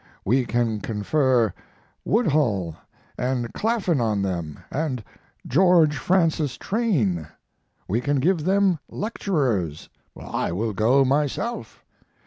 We can confer Woodhull and Clafin on them, and George Francis Train. We can give them lecturers! I will go myself.